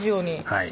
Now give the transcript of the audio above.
はい。